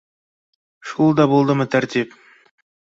Шул да булдымы тәртип